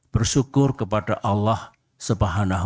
bersyukur kepada allah sebahagiannya